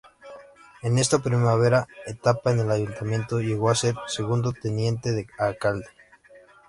En esta primera etapa en el Ayuntamiento llegó a ser segundo teniente de alcalde.